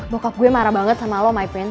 bokap gue marah banget sama lo my prince